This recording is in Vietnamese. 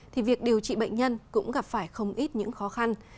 thì việc điều trị bệnh nhân cũng gặp phải không ít những khó khăn